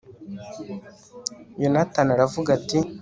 yonatani aravuga ati